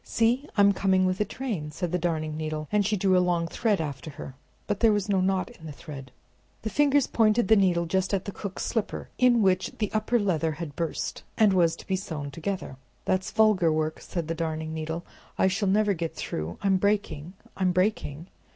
"See, I'm coming with a train!" said the Darning Needle, and she drew a long thread after her, but there was no knot in the thread. The Fingers pointed the needle just at the cook's slipper, in which the upper leather had burst, and was to be sewn together. "That's vulgar work," said the Darning Needle. "I shall never get through. I'm breaking! I'm breaking!"